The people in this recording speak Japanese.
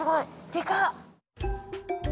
でかっ！